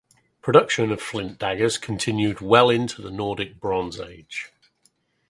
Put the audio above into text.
Production of flint daggers continued well into the Nordic Bronze Age.